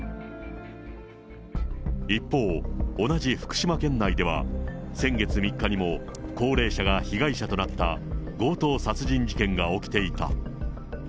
一方、同じ福島県内では、先月３日にも高齢者が被害者となった強盗殺人事件が起きていた。